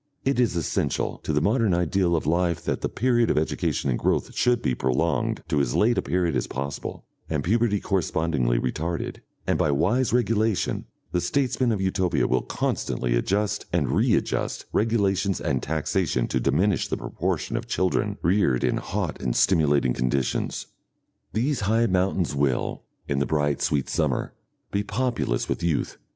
It is essential to the modern ideal of life that the period of education and growth should be prolonged to as late a period as possible and puberty correspondingly retarded, and by wise regulation the statesmen of Utopia will constantly adjust and readjust regulations and taxation to diminish the proportion of children reared in hot and stimulating conditions. These high mountains will, in the bright sweet summer, be populous with youth.